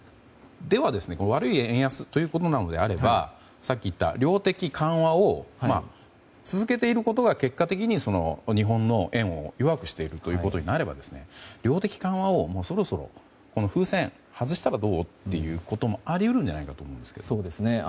では、悪い円安ということならばさっき言った量的緩和を続けていることが結果的に日本の円を弱くしているということになれば量的緩和を、そろそろこの風船を外したらどう？ということもあり得るんじゃないかと思うんですけども。